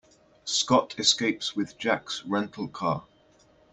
Scott escapes with Jack's rental car.